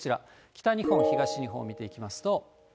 北日本、東日本を見ていきますと。